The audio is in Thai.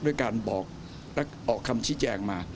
ด้วยการบอกและออกคำชี้แจงมา